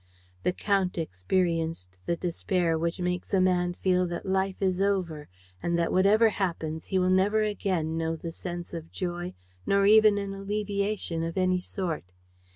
The Count experienced the despair which makes a man feel that life is over and that, whatever happens, he will never again know the sense of joy nor even an alleviation of any sort.